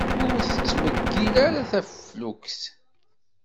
Ur ttmeyyil ara taflukt.